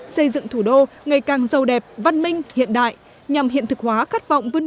xây dựng thủ đô ngày càng giàu đẹp văn minh hiện đại nhằm hiện thực hóa khát vọng vươn